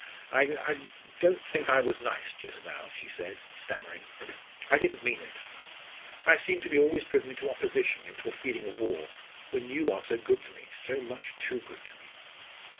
"I don't think I was nice just now," she said, stammering. "I didn't mean it. I seem to be always driven into opposition into a feeling of war when you are so good to me so much too good to me!"